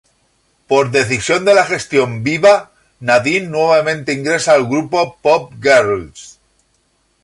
Por decisión de la gestión "Viva", Nadine nuevamente ingresa al grupo Pop Girls.